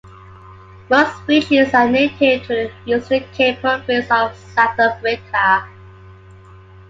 Most species are native to the Eastern Cape Province of South Africa.